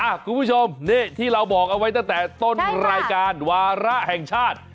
คุณผู้ชมนี่ที่เราบอกเอาไว้ตั้งแต่ต้นรายการวาระแห่งชาติ